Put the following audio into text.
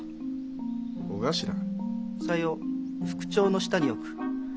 さよう副長の下に置く。